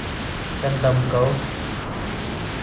Kan dam ko.